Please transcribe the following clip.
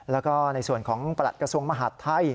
แล้วก็ในส่วนของประหลัดกระทรวงมหาดไทย